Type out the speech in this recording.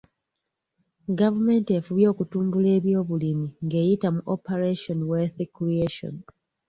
Gavumenti efubye okutumbula ebyobulimi ng'eyita mu Operation Wealth Creation.